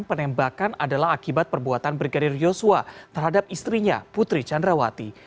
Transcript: penembakan adalah akibat perbuatan brigadir yosua terhadap istrinya putri candrawati